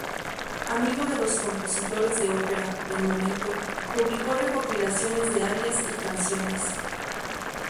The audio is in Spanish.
Amigo de los compositores de ópera del momento, publicó recopilaciones de arias y canciones.